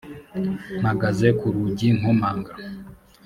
mpagaze ku rugi nkomanga